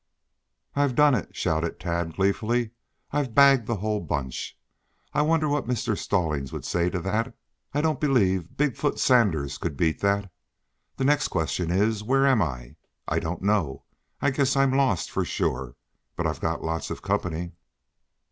"I've done it," shouted Tad gleefully. "I've bagged the whole bunch. I wonder what Mr. Stallings will say to that. I don't believe Big foot Sanders could beat that. The next question is, where am I? I don't know. I guess I'm lost for sure. But I've got lots of company."